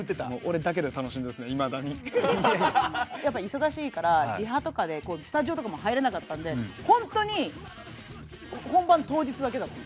忙しいからリハとかでスタジオとかも入れなかったんでホントに本番当日だけだった。